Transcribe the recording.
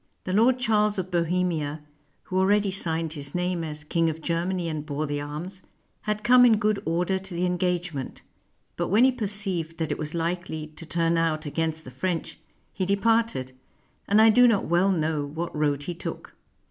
The Lord Charles of Bohemia, who already signed his name as King of Ger many and bore the arms, had come in good order to the engagement; but when he perceived that it was likely to turn out against the French, he departed, and I do not well know what road he took.